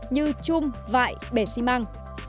như chum vại bể xi măng